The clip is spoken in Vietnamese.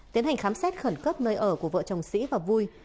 tiến hành khám xét khẩn cấp nơi ở của vợ chồng sĩ và vui